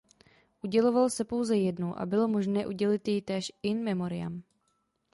Uděloval se pouze jednou a bylo možné udělit jej též in memoriam.